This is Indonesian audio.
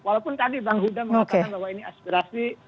walaupun tadi bang huda mengatakan bahwa ini aspirasi